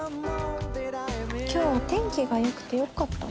今日お天気がよくてよかった。